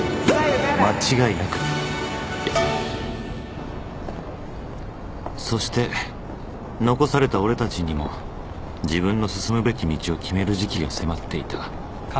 （ミ［そして残された俺たちにも自分の進むべき道を決める時期が迫っていた］